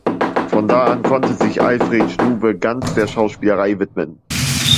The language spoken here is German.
Von da an konnte sich Alfred Struwe ganz der Schauspielerei widmen.